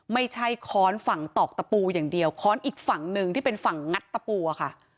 ค้อนฝั่งตอกตะปูอย่างเดียวค้อนอีกฝั่งหนึ่งที่เป็นฝั่งงัดตะปูอะค่ะ